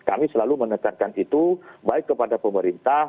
kami selalu menekankan itu baik kepada pemerintah